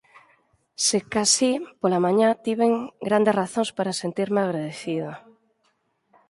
Secasí, pola mañá, tiven grandes razóns para sentirme agradecido.